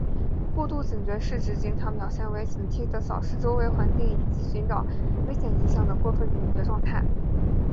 过度警觉是指经常表现为警惕地扫视周围环境以寻找危险迹象的过分警觉状态。